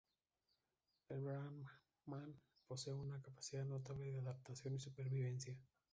El brahman posee una capacidad notable de adaptación y supervivencia.